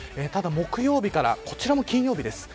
ただ、木曜日からこちらも金曜日です。